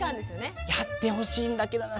やってほしいんだけどな